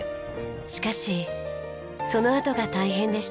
しかしそのあとが大変でした。